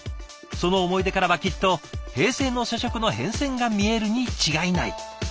その思い出からはきっと平成の社食の変遷が見えるに違いない。